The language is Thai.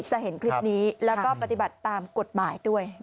จะเห็นคลิปนี้แล้วก็ปฏิบัติตามกฎหมายด้วย